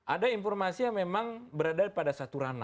ada informasi yang memang berada pada satu ranah